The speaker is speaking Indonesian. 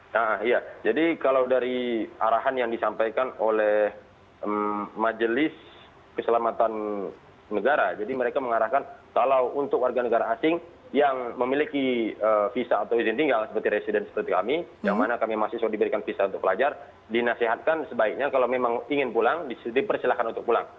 nah iya jadi kalau dari arahan yang disampaikan oleh majelis keselamatan negara jadi mereka mengarahkan kalau untuk warga negara asing yang memiliki visa atau izin tinggal seperti resident seperti kami yang mana kami masih diberikan visa untuk pelajar dinasihatkan sebaiknya kalau memang ingin pulang disitu persilahkan untuk pulang